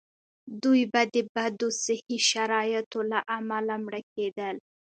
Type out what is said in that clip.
دوی به د بدو صحي شرایطو له امله مړه کېدل.